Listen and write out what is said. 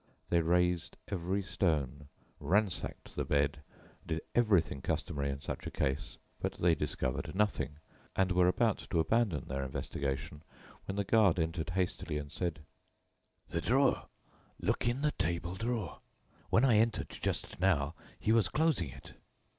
They raised every stone, ransacked the bed, did everything customary in such a case, but they discovered nothing, and were about to abandon their investigation when the guard entered hastily and said: "The drawer.... look in the table drawer. When I entered just now he was closing it."